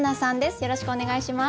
よろしくお願いします。